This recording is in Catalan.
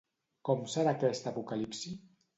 Com serà aquesta apocalipsi?